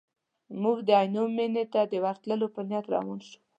موږ د عینو مینې ته د ورتلو په نیت روان شوو.